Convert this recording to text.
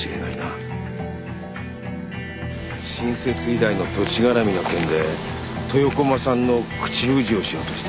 新設医大の土地がらみの件で豊駒さんの口封じをしようとした。